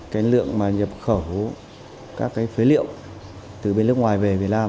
cái lượng mà nhập khẩu các cái phế liệu từ bên nước ngoài về việt nam